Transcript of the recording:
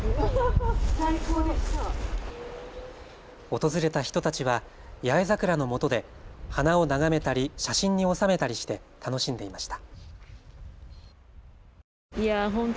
訪れた人たちは八重桜のもとで花を眺めたり写真に収めたりして楽しんでいました。